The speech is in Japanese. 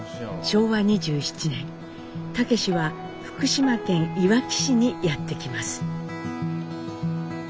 昭和２７年武は福島県いわき市にやって来ます。